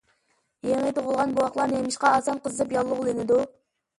يېڭى تۇغۇلغان بوۋاقلار نېمىشقا ئاسان قىزىپ ياللۇغلىنىدۇ؟